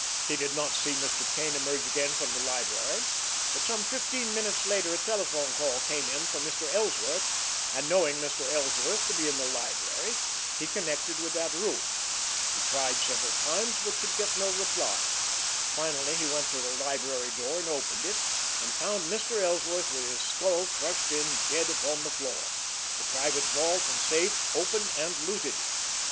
He did not see Mr. Kane emerge again from the library, but some fifteen minutes later a telephone call came in for Mr. Ellsworth, and, knowing Mr. Ellsworth to be in the library, he connected with that room. He tried several times, but could get no reply. Finally he went to the library door and opened it, and found Mr. Ellsworth with his skull crushed in, dead upon the floor, the private vault and safe open and looted.